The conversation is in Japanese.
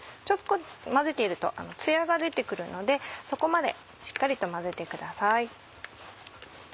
混ぜていると艶が出て来るのでそこまでしっかりと混ぜてください。